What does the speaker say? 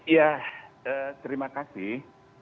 ya terima kasih